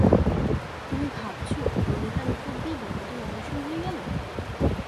তুমি ভাবছ ললিতার উপর দিয়েই বিপদের অবসান হয়ে গেল।